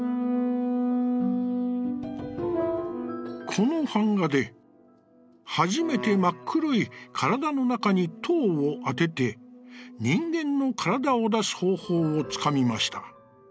「この板画で、はじめてまっ黒い身体の中に刀をあてて、人間の身体を出す方法をつかみました。